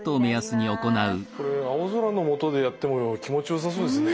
これ青空のもとでやっても気持ちよさそうですね。